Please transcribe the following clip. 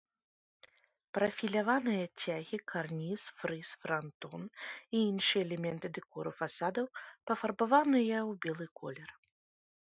Прафіляваныя цягі, карніз, фрыз, франтон і іншыя элементы дэкору фасадаў пафарбаваныя ў белы колер.